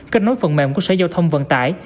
kết nối phần mềm của sở giao thông vận tải